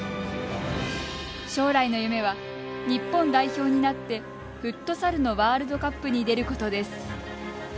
将来の夢は日本代表になってフットサルのワールドカップに出ることです。